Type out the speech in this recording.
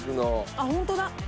あっホントだ。